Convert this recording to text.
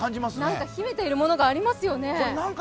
何か秘めているものがありますよね。